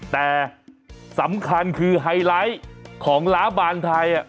แต่สำคัญคือไฮไลท์ของล้าบานไทย